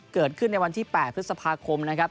เกิดขึ้นในวันที่๘พฤษภาคมนะครับ